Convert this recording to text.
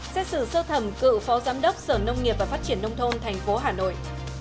xét xử sơ thẩm cựu phó giám đốc sở nông nghiệp và phát triển nông thôn tp hà nội